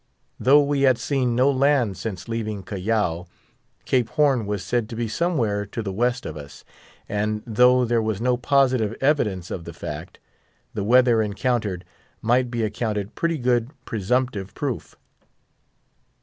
Though we had seen no land since leaving Callao, Cape Horn was said to be somewhere to the west of us; and though there was no positive evidence of the fact, the weather encountered might be accounted pretty good presumptive proof.